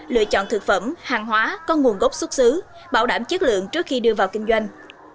lựa chọn thực phẩm hàng hóa con nguồn gốc xuất xứ bảo đảm chất lượng trước khi đưa vào kinh doanh